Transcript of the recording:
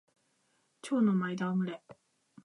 蟲の呼吸蝶ノ舞戯れ（ちょうのまいたわむれ）